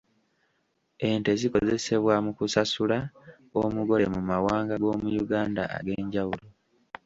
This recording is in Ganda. Ente zikozesebwa mu kusasula omugole mu mawanga g'omu Uganda ag'enjawulo.